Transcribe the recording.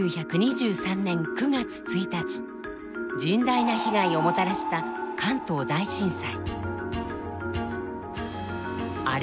甚大な被害をもたらした関東大震災。